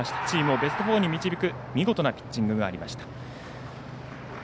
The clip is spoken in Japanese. チームをベスト４に導く見事なピッチングがありました。